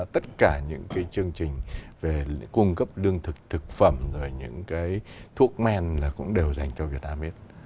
tất cả những cái chương trình về cung cấp lương thực thực phẩm rồi những cái thuốc men cũng đều dành cho việt nam